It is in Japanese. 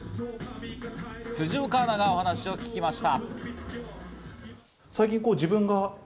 辻岡アナがお話を聞きました。